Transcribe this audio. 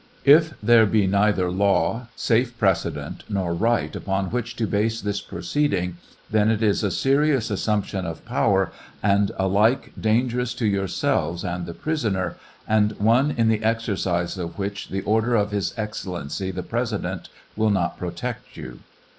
If there be neither law, safe precedent, nor right, upon which to base this proceeding, then it is a serious assumption of power, and alike dangerous to yourselves and the prisoner, and one in the exercise of which the order of his excellency the President will not protect you.